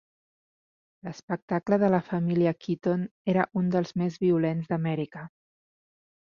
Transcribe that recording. L'espectacle de la família Keaton era un dels més violents d'Amèrica.